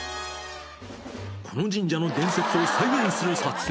この神社の伝説を再現する撮影。